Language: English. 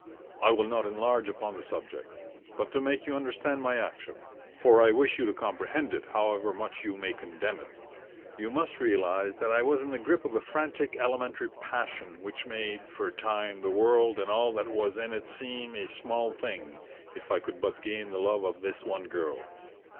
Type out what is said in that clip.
I will not enlarge upon the subject, but to make you understand my action for I wish you to comprehend it, however much you may condemn it you must realize that I was in the grip of a frantic elementary passion which made, for a time, the world and all that was in it seem a small thing if I could but gain the love of this one girl.